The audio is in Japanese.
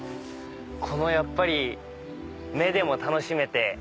このやっぱり目でも楽しめて。